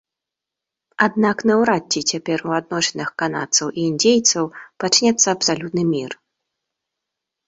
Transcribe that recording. Аднак наўрад ці цяпер у адносінах канадцаў і індзейцаў пачнецца абсалютны мір.